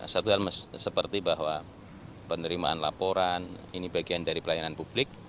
satu hal seperti bahwa penerimaan laporan ini bagian dari pelayanan publik